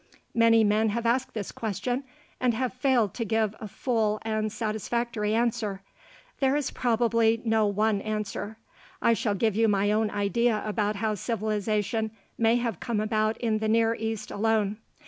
Many men have asked this question and have failed to give a full and satisfactory answer. There is probably no one answer. I shall give you my own idea about how civilization may have come about in the Near East alone.